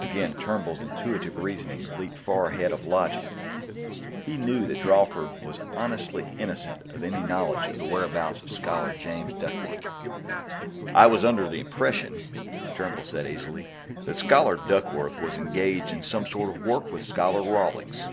Again Turnbull's intuitive reasoning leaped far ahead of logic; he knew that Drawford was honestly innocent of any knowledge of the whereabouts of Scholar James Duckworth. "I was under the impression," Turnbull said easily, "that Scholar Duckworth was engaged in some sort of work with Scholar Rawlings."